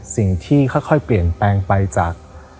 สิ่งที่ค่อยเปลี่ยนแปลงไปจาก